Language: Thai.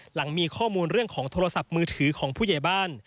หลังมีข้อมูลเรื่องของโทรศัพท์มือถือของผู้ใหญ่บ้าน